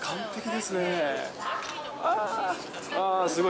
すごい！